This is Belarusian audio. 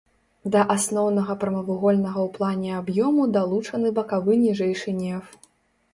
Да асноўнага прамавугольнага ў плане аб'ёму далучаны бакавы ніжэйшы неф.